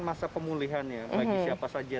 masa pemulihan ya bagi siapa saja